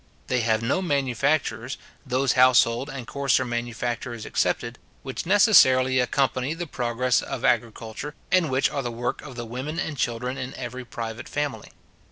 They have no manufactures, those household and coarser manufactures excepted, which necessarily accompany the progress of agriculture, and which are the work of the women and children in every private family.